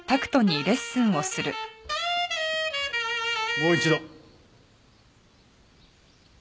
もう一度。